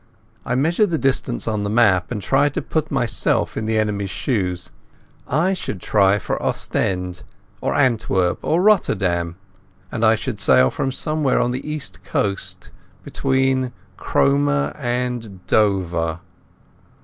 I measured the distance on the map, and tried to put myself in the enemy's shoes. I should try for Ostend or Antwerp or Rotterdam, and I should sail from somewhere on the East Coast between Cromer and Dover.